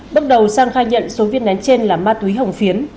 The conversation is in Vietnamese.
bước đầu sang khai nhận số viên nén trên là ma túy hồng phiến